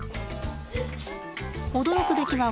驚くべきは